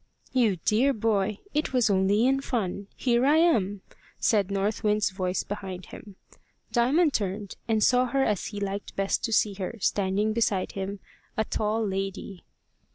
"You dear boy! It was only in fun. Here I am!" said North Wind's voice behind him. Diamond turned, and saw her as he liked best to see her, standing beside him, a tall lady.